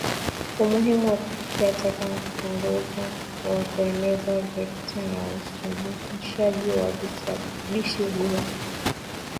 Umuhimu wa kufukia taka ni kupunguza wa kueneza vekta na uwasilinishaji wa visababishi ugonjwa